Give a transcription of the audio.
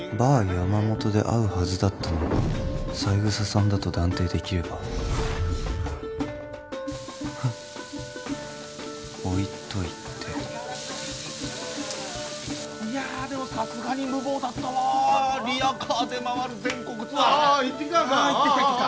山本で会うはずだったのが三枝さんだと断定できればフッ置いといていやあでもさすがに無謀だったわリヤカーで回る全国ツアーどうだった？